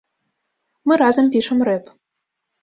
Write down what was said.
Мы разам пішам рэп.